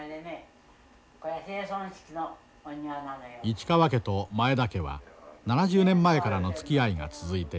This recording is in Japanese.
市川家と前田家は７０年前からのつきあいが続いている。